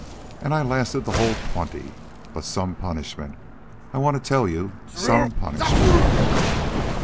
An' I lasted the whole twenty. But some punishment, I want to tell you, some punishment.